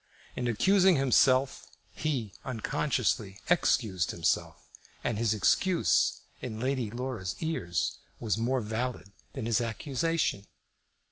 In accusing himself he, unconsciously, excused himself, and his excuse, in Lady Laura's ears, was more valid than his accusation.